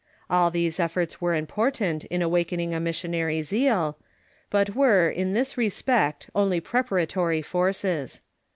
All these efforts were important in awakening a missionary zeal, but were, in this respect, only preparatory forces.